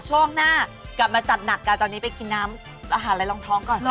ช่วงหน้ากลับมาจัดหนักกันตอนนี้ไปกินน้ำอาหารอะไรรองท้องก่อน